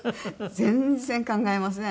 全然考えません。